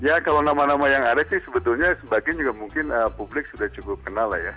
ya kalau nama nama yang ada sih sebetulnya sebagian juga mungkin publik sudah cukup kenal lah ya